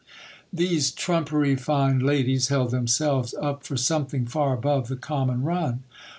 These trumpery fine ladies held themselves up for something far above the common run.